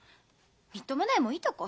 みっともないもいいとこ。